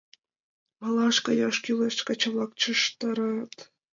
Малаш каяш кӱлеш! — каче-влак чыштырат.